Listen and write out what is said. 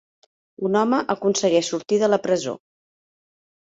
Un home aconsegueix sortir de la presó.